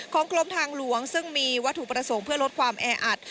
กรมทางหลวงซึ่งมีวัตถุประสงค์เพื่อลดความแออัด